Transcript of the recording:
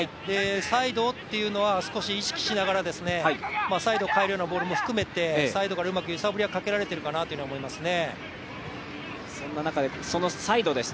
サイドっていうのは少し意識しながら、サイドを変えるようなボールも含めてサイドからうまく揺さぶりはかけられているかなと思いますね。